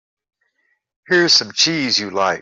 Here's some cheese you like.